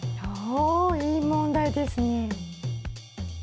おいい問題ですね。